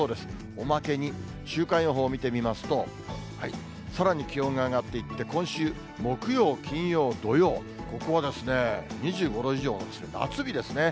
おまけに週間予報見てみますと、さらに気温が上がっていって、今週木曜、金曜、土曜、ここは２５度以上の夏日ですね。